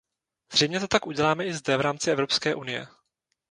Zřejmě to tak děláme i zde v rámci Evropské unie.